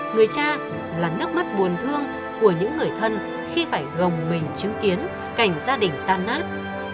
người cha là nước mắt buồn thương của những người thân khi phải gồng mình chứng kiến cảnh gia đình tan nát